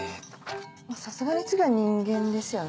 さすがに次は人間ですよね？